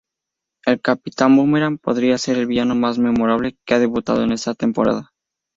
Capitán Boomerang podría ser el villano más memorable que ha debutado esta temporada.